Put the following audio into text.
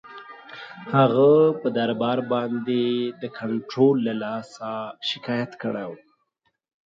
هغه پر دربار باندي د کنټرول له لاسه شکایت کړی وو.